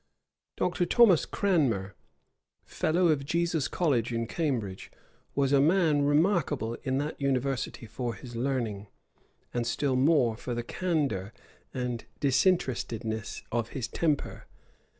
Dr. Thomas Cranmer, fellow of Jesus College in Cambridge, was a man remarkable in that university for his learning, and still more for the candor and disinterestedness of his temper.